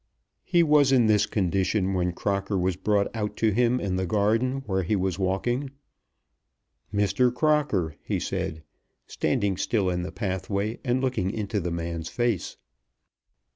He was in this condition when Crocker was brought out to him in the garden where he was walking. "Mr. Crocker," he said, standing still in the pathway and looking into the man's face.